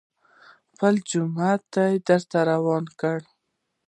خپل جومات يې درته وران کړ.